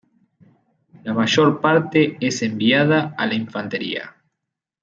La mayor parte es enviada a la infantería.